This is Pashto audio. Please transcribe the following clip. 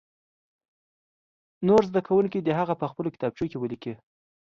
نور زده کوونکي دې هغه په خپلو کتابچو کې ولیکي.